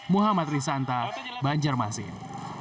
muhammad risanta banjarmasin